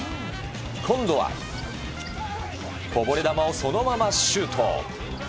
今度はこぼれ球をそのままシュート。